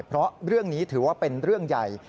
เพราะเรื่องนี้ถือว่าเป็นเรื่องใหญ่